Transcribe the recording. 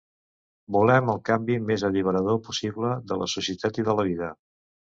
Volem el canvi més alliberador possible de la societat i de la vida.